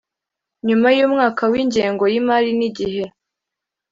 Nyuma y umwaka w ingengo y imari n igihe